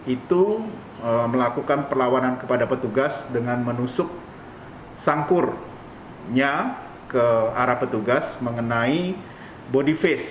itu melakukan perlawanan kepada petugas dengan menusuk sangkurnya ke arah petugas mengenai body face